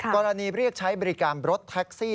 เรียกใช้บริการรถแท็กซี่